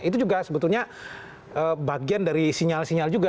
itu juga sebetulnya bagian dari sinyal sinyal juga